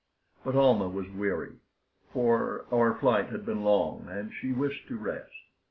But Almah was weary, for our flight had been long, and she wished to rest.